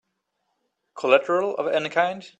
Collateral of any kind?